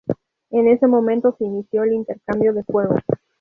En ese momento se inició el intercambio de fuego.